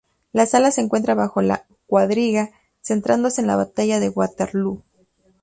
La sala se encuentra bajo la cuadriga, centrándose en la Batalla de Waterloo.